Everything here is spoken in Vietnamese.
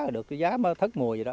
được giá mơ thất